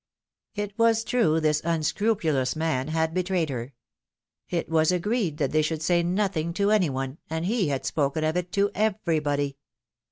It was true this unscrupu lous man had betrayed her ; it w^as agreed they should say nothing to any one, and he had spoken of it to everybody.